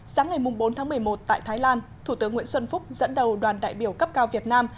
sáng ngày bốn tháng một mươi một tại thái lan thủ tướng nguyễn xuân phúc dẫn đầu đoàn đại biểu cấp cao việt nam